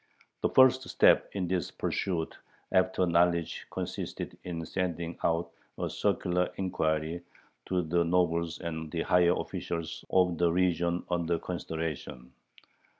The first step in this pursuit after knowledge consisted in sending out a circular inquiry to the nobles and the higher officials of the region under consideration.